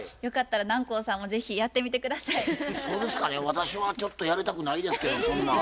私はちょっとやりたくないですけどそんな。